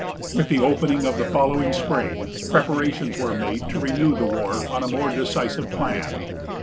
With the opening of the following spring, preparations were made to renew the war on a more decisive plan.